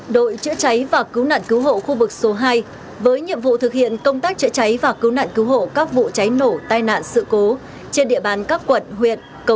đội chữa cháy và cứu nạn cứu hộ khu vực số hai với nhiệm vụ thực hiện công tác chữa cháy và cứu nạn cứu hộ các vụ cháy nổ tai nạn sự cố